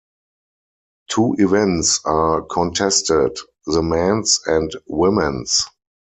Two events are contested, the men's and women's.